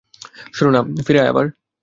শোন না, ফিরে আয় আবার।